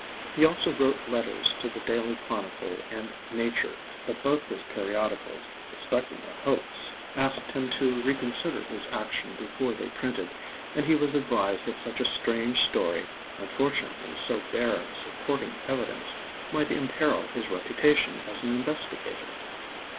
He also wrote letters to The Daily Chronicle and Nature, but both those periodicals, suspecting a hoax, asked him to reconsider his action before they printed, and he was advised that such a strange story, unfortunately so bare of supporting evidence, might imperil his reputation as an investigator.